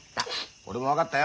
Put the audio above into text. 俺も分かったよ。